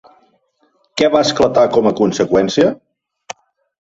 Què va esclatar com a conseqüència?